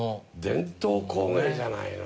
伝統工芸じゃないの！